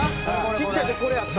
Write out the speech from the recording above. ちっちゃい時これやった！」